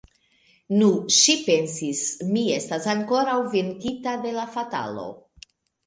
Nu, ŝi pensis, mi estas ankoraŭ venkita de la fatalo.